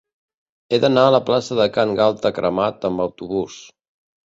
He d'anar a la plaça de Can Galta Cremat amb autobús.